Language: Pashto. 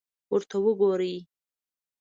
ورته وګورئ!